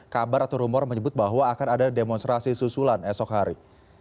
kabar atau rumor menyebut bahwa akan ada demonstrasi susulan esok hari